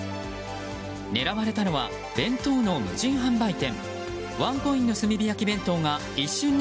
狙われたのは弁当の無人販売店。